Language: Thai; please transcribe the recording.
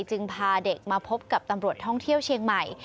จึงพาเด็กมาพบกับตำรวจท่องเที่ยวเชียงใหม่